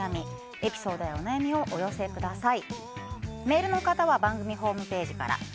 エピソードやお悩みをお寄せください。